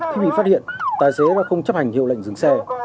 khi bị phát hiện tài xế và không chấp hành hiệu lệnh dừng xe